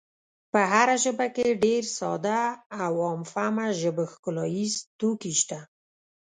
په هره ژبه کې ډېر ساده او عام فهمه ژب ښکلاییز توکي شته.